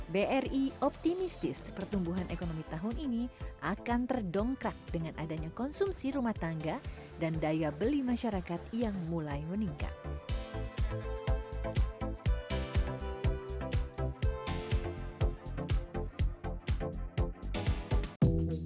bri optimistis pertumbuhan ekonomi tahun ini akan terdongkrak dengan adanya konsumsi rumah tangga dan daya beli masyarakat yang mulai meningkat